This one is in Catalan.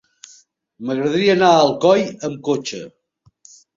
M'agradaria anar a Alcoi amb cotxe.